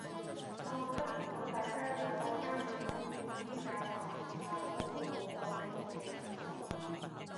我覺得如果大家有個監獄可以用於教學，效果會好過喺屋企自學